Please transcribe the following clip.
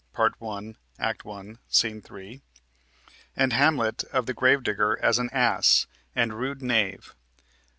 Part 1, Act 1, Sc. 3), and Hamlet of the grave digger as an "ass" and "rude knave."